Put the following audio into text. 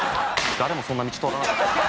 誰もそんな道通らない。